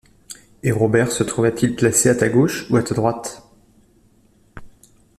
Et Robert se trouvait-il placé à ta gauche ou à ta droite?